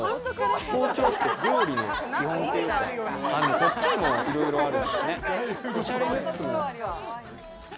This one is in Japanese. こっちにもいろいろある。